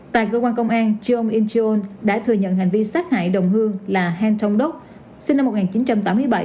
tại cơ quan công an chiom incheon đã thừa nhận hành vi sát hại đồng hương là han thông đốc sinh năm một nghìn chín trăm tám mươi bảy